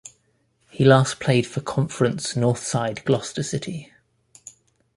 He last played for Conference North side Gloucester City.